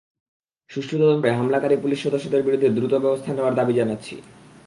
সুষ্ঠু তদন্ত করে হামলাকারী পুলিশ সদস্যদের বিরুদ্ধে দ্রুত ব্যবস্থা নেওয়ার দাবি জানাচ্ছি।